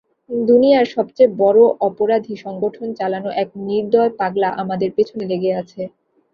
দুনিয়ার সবচেয়ে বড়ো অপরাধী সংগঠন চালানো এক নির্দয় পাগলা আমাদের পেছনে লেগে আছে।